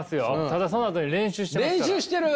ただそのあとに練習してますから。